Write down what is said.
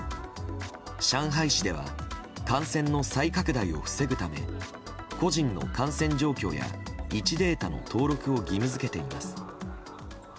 上海市では感染の再拡大を防ぐため個人の感染状況や位置データの登録を義務付けています。